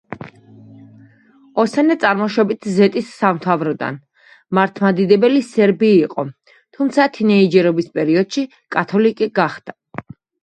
ოსანა წარმოშობით ზეტის სამთავროდან, მართლმადიდებელი სერბი იყო, თუმცა თინეიჯერობის პერიოდში კათოლიკე გახდა.